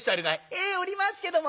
「ええおりますけども」。